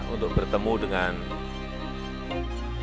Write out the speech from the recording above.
untuk bertemu dengan presiden